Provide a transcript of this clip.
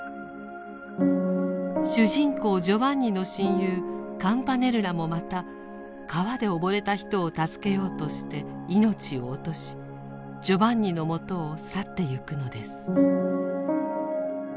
主人公ジョバンニの親友カムパネルラもまた川で溺れた人を助けようとして命を落としジョバンニのもとを去ってゆくのです。